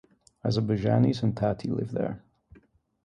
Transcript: Azerbaijanis and Tati live there.